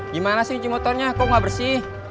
gimana sih cuci motornya kok ga bersih